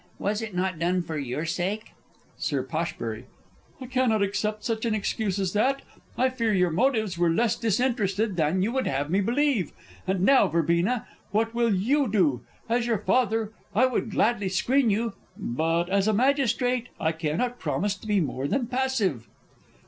Was it not done for your sake? Sir P. I cannot accept such an excuse as that. I fear your motives were less disinterested than you would have me believe. And now, Verbena, what will you do? As your father, I would gladly screen you but, as a Magistrate, I cannot promise to be more than passive.